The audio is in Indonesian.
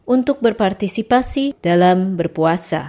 untuk berpartisipasi dalam berpuasa